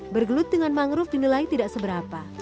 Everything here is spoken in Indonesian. bergelut dengan mangrove dinilai tidak seberapa